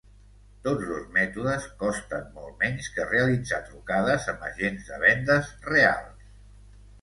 Tots dos mètodes costen molt menys que realitzar trucades amb agents de vendes reals.